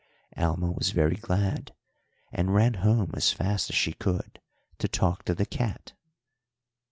"Alma was very glad, and ran home as fast as she could to talk to the cat.